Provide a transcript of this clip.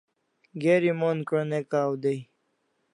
Geri mon ko'n' ne kaw dai